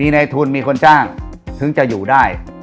ในทุนมีคนจ้างถึงจะอยู่ได้